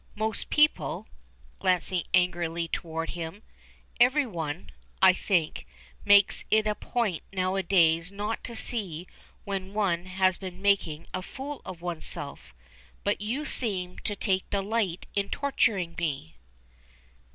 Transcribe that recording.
Most people," glancing angrily toward him "everyone, I think makes it a point now a days not to see when one has been making a fool of oneself; but you seem to take a delight in torturing me."